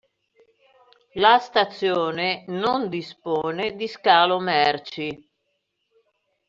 La stazione non dispone di scalo merci.